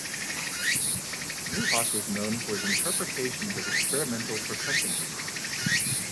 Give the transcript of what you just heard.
Neuhaus was known for his interpretations of experimental percussion music.